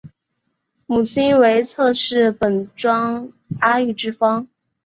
母亲为侧室本庄阿玉之方。